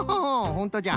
ほんとじゃ。